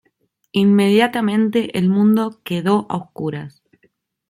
Inmediatamente el mundo quedó a oscuras.